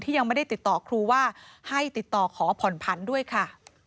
ยังไม่ได้ติดต่อครูว่าให้ติดต่อขอผ่อนผันด้วยค่ะ